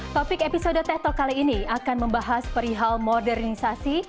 topik episode teh talk kali ini akan membahas perihal modernisasi